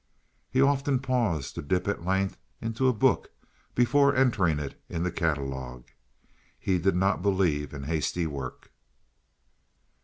He often paused to dip at length into a book before entering it in the catalogue. He did not believe in hasty work.